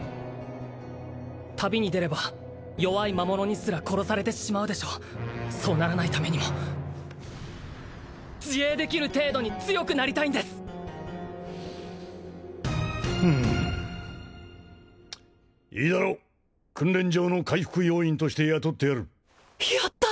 旅に出れば弱い魔物にすら殺されてしまうでしょうそうならないためにも自衛できる程度に強くなりたいんですふむいいだろう訓練場の回復要員として雇ってやるやった！